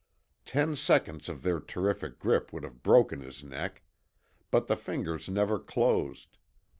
Ten seconds of their terrific grip would have broken his neck. But the fingers never closed.